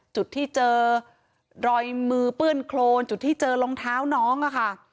จุดที่เจอรอยมือเปื้อนโครนจุดที่เจอรองเท้าน้องค่ะ